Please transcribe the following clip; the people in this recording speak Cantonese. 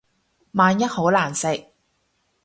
萬一好難食